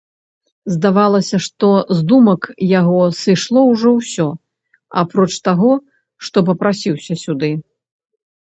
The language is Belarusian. Здавалася, што з думак яго сышло ўжо ўсё, апроч таго, што папрасіўся сюды.